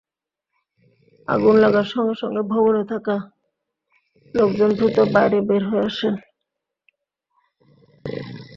আগুন লাগার সঙ্গে সঙ্গে ভবনে থাকা লোকজন দ্রুত বাইরে বের হয়ে আসেন।